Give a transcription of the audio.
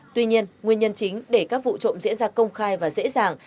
tuy nhiên nguyên nhân chính để các vụ trộm diễn ra công khai và dễ dàng